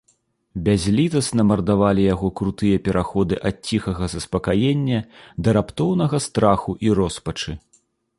Бязлітасна мардавалі яго крутыя пераходы ад ціхага заспакаення да раптоўнага страху і роспачы.